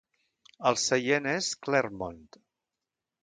El seient és Clermont.